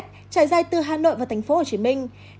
trải dài từ hà nội và thành phố hồ chí minh